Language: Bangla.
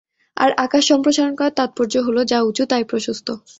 আর আকাশ সম্প্রসারণ করার তাৎপর্য হলো, যা উঁচু তাই প্রশস্ত।